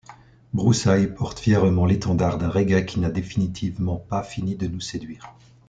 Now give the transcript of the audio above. Broussaï porte fièrement l’étendard d’un reggae qui n’a définitivement pas fini de nous séduire.